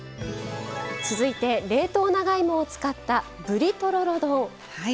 続いて冷凍長芋を使ったぶりとろろ丼。